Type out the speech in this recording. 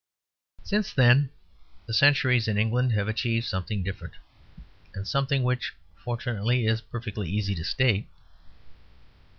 Since then the centuries in England have achieved something different; and something which, fortunately, is perfectly easy to state.